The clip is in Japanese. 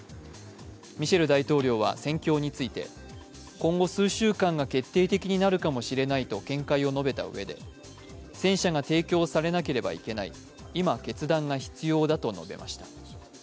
ミシェル大統領は戦況について今後、数週間が決定的になるかもしれないと見解を述べたうえで、戦車が提供されなければいけない、今決断が必要だと述べました。